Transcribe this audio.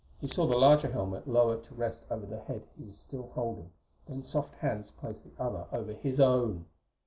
He saw the larger helmet lower to rest over the head he was still holding; then soft hands placed the other over his own.